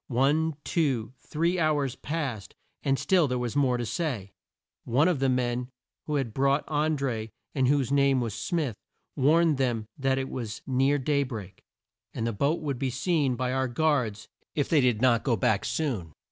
One, two, three hours passed, and still there was more to say. One of the men who had brought An dré, and whose name was Smith, warned them that it was near day break, and the boat would be seen by our guards if they did not go back soon.